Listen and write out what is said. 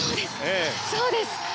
そうです！